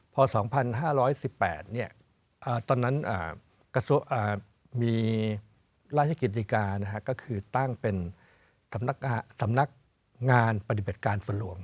พอ๒๕๑๘ตอนนั้นมีราชกิจาก็คือตั้งเป็นสำนักงานปฏิบัติการฝนหลวง